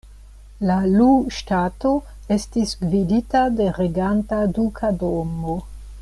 La Lu-ŝtato estis gvidita de reganta duka domo.